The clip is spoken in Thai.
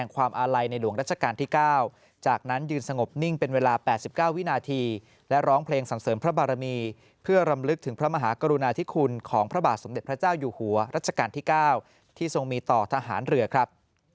ความอาลัยในหลวงรัชกาลที่๙จากนั้นยืนสงบนิ่งเป็นเวลา๘๙วินาทีและร้องเพลงสรรเสริมพระบารมีเพื่อรำลึกถึงพระมหากรุณาธิคุณของพระบาทสมเด็จพระเจ้าอยู่หัวรัชกาลที่๙ที่ทรงมีต่อทหารเรือครับ